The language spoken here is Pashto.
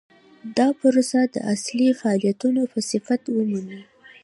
دا پروسه د اصلي فعالیتونو په صفت ومني.